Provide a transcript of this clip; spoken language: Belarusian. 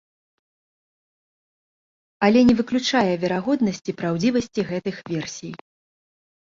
Але не выключае верагоднасці праўдзівасці гэтых версій.